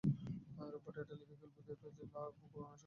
রোববার অ্যাটলেটিকো খেলবে দেপোর্তিভো লা করুনিয়ার সঙ্গে।